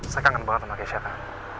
saya kangen banget sama keisha kan